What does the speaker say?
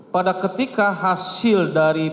pada ketika hasil dari